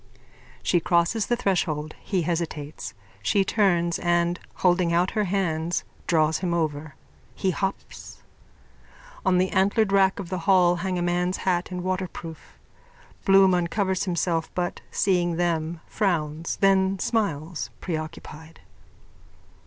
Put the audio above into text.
_(She crosses the threshold. He hesitates. She turns and, holding out her hands, draws him over. He hops. On the antlered rack of the hall hang a man's hat and waterproof. Bloom uncovers himself but, seeing them, frowns, then smiles, preoccupied.